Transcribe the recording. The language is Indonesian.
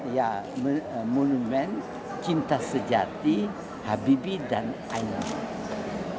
ya monumen cinta sejati habibi dan ainun